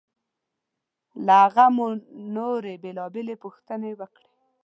له هغه مو نورې بېلابېلې پوښتنې وکړې.